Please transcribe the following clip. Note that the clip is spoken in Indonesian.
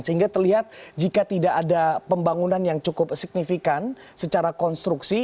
sehingga terlihat jika tidak ada pembangunan yang cukup signifikan secara konstruksi